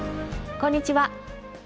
こんにちは。